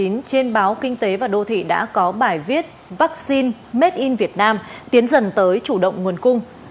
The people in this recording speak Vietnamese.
nhân báo kinh tế và đô thị đã có bài viết vaccine made in vietnam tiến dần tới chủ động nguồn cung